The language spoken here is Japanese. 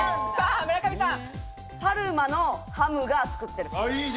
パルマのハムが作ってる。